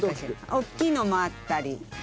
おっきいのもあったり。